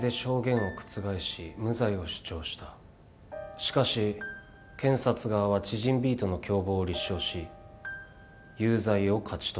しかし検察側は知人Ｂとの共謀を立証し有罪を勝ち取った。